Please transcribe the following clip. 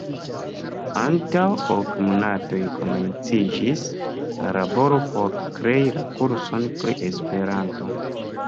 Antaŭ ok monatoj komenciĝis la laboro por krei la kurson pri Esperanto.